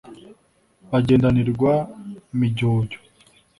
bagendanirwa mijyojyo,